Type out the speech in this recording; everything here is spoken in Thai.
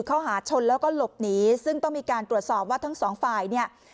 ข้อหาชนแล้วก็หลบหนีซึ่งต้องมีการตรวจสอบว่าทั้งสองฝ่ายเนี่ย